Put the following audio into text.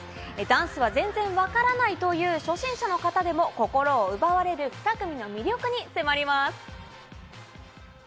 ダンスは全然わからないという初心者の方でも、心を奪われる２組の魅力に迫ります。